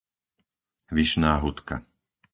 Vyšná Hutka